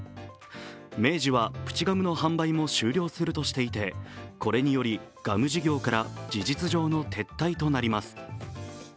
明治は、プチガムの販売も終了するとしていてこれにより、ガム事業から事実上の撤退となります。